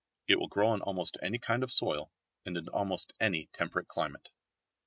It will grow on almost any kind of soil, and in almost any temperate climate.